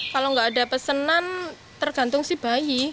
kalau nggak ada pesanan tergantung si bayi